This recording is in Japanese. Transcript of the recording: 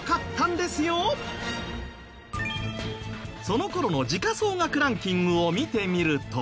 その頃の時価総額ランキングを見てみると。